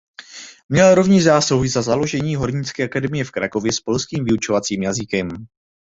Měl rovněž zásluhy na založení Hornické akademie v Krakově s polským vyučovacím jazykem.